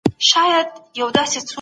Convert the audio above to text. د پانګې اچونې بهير دوام لري.